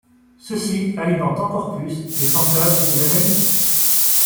Ceci alimente encore plus les fantasmes de l'annaliste.